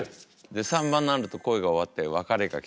で３番になると恋が終わって別れが来ちゃうという。